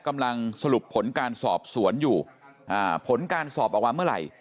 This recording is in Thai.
กำลังสรุปผลการสอบสวนอยู่ผลการสอบออกมาเมื่อไหร่